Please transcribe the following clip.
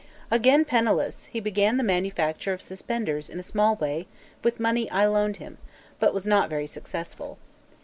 Again penniless, he began the manufacture of suspenders, in a small way, with money I loaned him, but was not very successful.